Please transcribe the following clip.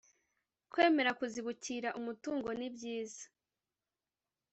Kwemera kuzibukira umutungo nibyiza